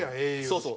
そうそう。